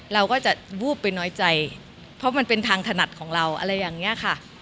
เราก็จะวูบไปน้อยใจเพราะมันเป็นทางถนัดของเราอะไรอย่างนี้ค่ะ